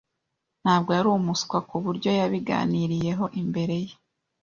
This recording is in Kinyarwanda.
Ntabwo yari umuswa kuburyo yabiganiriyeho imbere ye.